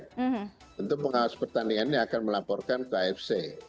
tentu pengawas pertandingannya akan melaporkan ke afc